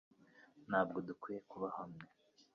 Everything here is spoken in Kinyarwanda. Ntabwo dukwiye kuba hamwe